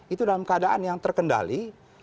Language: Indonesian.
itu dalam keadaan yang terkendali